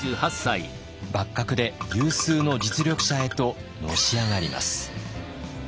幕閣で有数の実力者へとのし上がります。